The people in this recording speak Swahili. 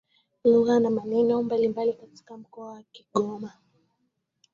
lugha na majina ya maeneo mbalimbali katika mkoa wa kigoma